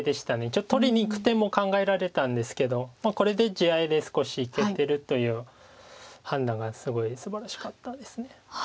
ちょっと取りにいく手も考えられたんですけどこれで地合いで少しいけてるという判断がすごいすばらしかったです。